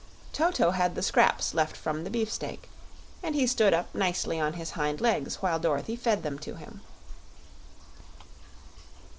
Toto had the scraps left from the beefsteak, and he stood up nicely on his hind legs while Dorothy fed them to him.